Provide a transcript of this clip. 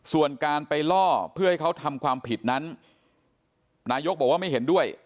ส่วนการไปล่อเพื่อให้เขาทำความผิดนั้นนายกบอกว่าไม่เห็นด้วย